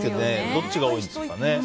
どっちが多いんですかね。